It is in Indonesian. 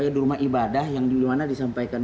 di rumah ibadah yang dimana disampaikan